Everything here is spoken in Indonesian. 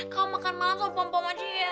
kamu makan malam tuh pom pom aja ya